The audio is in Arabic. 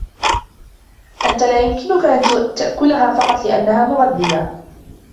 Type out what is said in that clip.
أنتَ لا يمكنك أن تأكلها فقط لأنها مغذية.